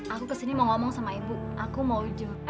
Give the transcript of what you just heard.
aku kesini mau ngomong sama ibu aku mau lucu